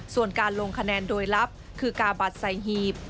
ส่วนการลงคะแนนโดยลับคือกาบัตรใส่หีบ